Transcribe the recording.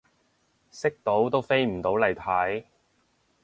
識到都飛唔到嚟睇